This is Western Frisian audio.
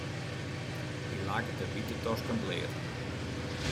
Hy laket de wite tosken bleat.